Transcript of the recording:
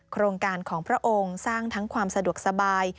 โครงการของพระองค์สร้างทั้งความสะดวกสบาย